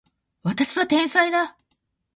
私は天才だ